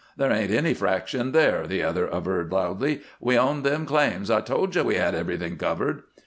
"There ain't any fraction there," the other averred, loudly. "We own them claims. I told you we had everything covered."